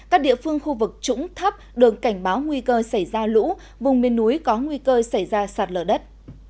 các địa phương khu vực trũng thấp đường cảnh báo nguy cơ xảy ra lũ vùng miền núi có nguy cơ xảy ra sạt lở đất